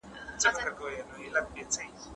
علم او پوهه انسان جوړوي.